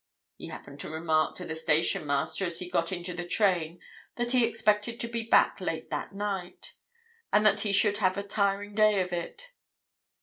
He happened to remark to the stationmaster as he got into the train that he expected to be back late that night, and that he should have a tiring day of it.